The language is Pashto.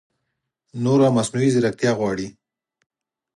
نوره مصنعوي ځېرکتیا غواړي